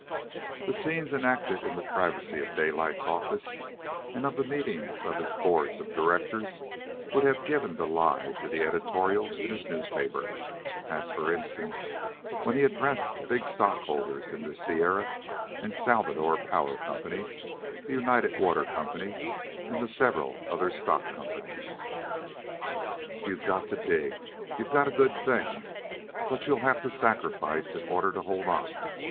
The scenes enacted in the privacy of Daylight's office, and of the meetings of his boards of directors, would have given the lie to the editorials in his newspapers; as, for instance, when he addressed the big stockholders in the Sierra and Salvador Power Company, the United Water Company, and the several other stock companies: "You've got to dig. You've got a good thing, but you'll have to sacrifice in order to hold on.